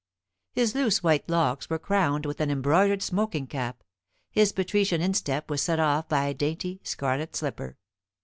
His loose white locks were crowned with an embroidered smoking cap; his patrician instep was set off by a dainty scarlet slipper.